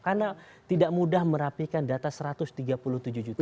karena tidak mudah merapikan data satu ratus tiga puluh tujuh juta